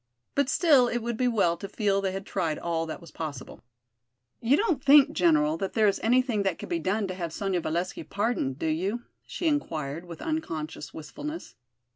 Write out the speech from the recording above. But still it would be well to feel they had tried all that was possible. "You don't think, General, that there is anything that could be done to have Sonya Valesky pardoned, do you?" she inquired, with unconscious wistfulness.